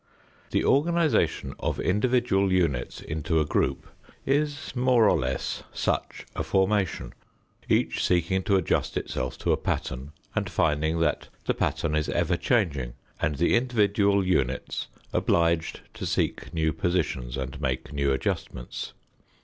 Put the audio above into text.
The organization of individual units into a group is more or less such a formation, each seeking to adjust itself to a pattern and finding that the pattern is ever changing and the individual units obliged to seek new positions and make new adjustments.